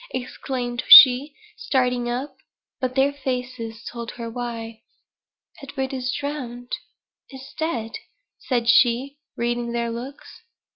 exclaimed she, starting up. But their faces told her why. "Edward is drowned is dead," said she, reading their looks.